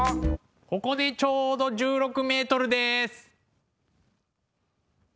ここでちょうど１６ｍです。